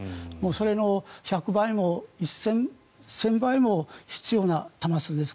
それの１００倍も１０００倍も必要な弾数です。